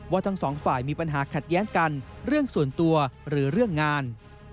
ทั้งสองฝ่ายมีปัญหาขัดแย้งกันเรื่องส่วนตัวหรือเรื่องงาน